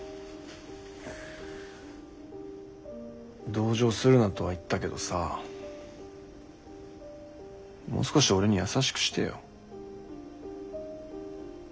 同情するなとは言ったけどさもう少し俺に優しくしてよ。